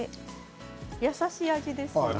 優しい味ですよね。